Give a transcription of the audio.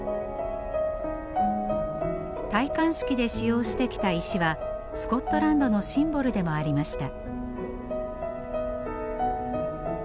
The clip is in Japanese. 戴冠式で使用してきた石はスコットランドのシンボルでもありました。